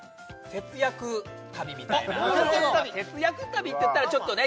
節約旅節約旅って言ったらちょっとね